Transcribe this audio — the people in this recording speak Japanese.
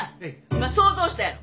今想像したやろ。